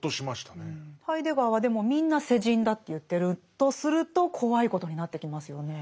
ハイデガーはでもみんな世人だって言ってるとすると怖いことになってきますよね。